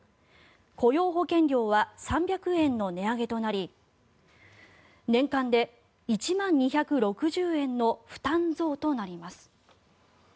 雇用保険料は３００円の値上げとなり年間で１万２６０円の負担増となります。